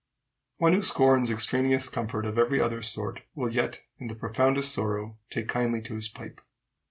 One who scorns extraneous comfort of every other sort, will yet, in the profoundest sorrow, take kindly to his pipe.